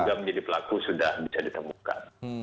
juga menjadi pelaku sudah bisa ditemukan